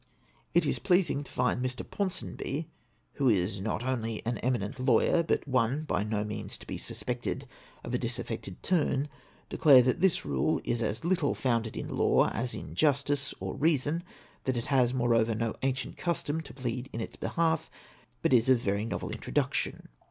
It is pleasing to find Mr. Ponsonby, who is not only an eminent lawyer, but one hy no means to be suspected of a disaffected turn, declare that this rule is as little founded in law as in justice or reason ; that it has, moreover, no ancient custom to plead in its behalf, but is of very novel intro duction.